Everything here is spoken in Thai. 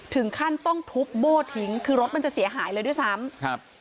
ถึงขั้นต้องทุบโบ้ทิ้งคือรถมันจะเสียหายเลยด้วยซ้ำครับ